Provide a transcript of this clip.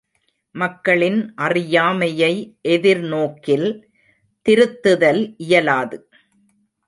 மக்களின் அறியாமையை எதிர் நோக்கில் திருத்துதல் இயலாது.